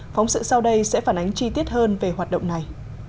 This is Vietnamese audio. phóng sự sau đây sẽ phản ánh chi tiết hơn về hoạt động này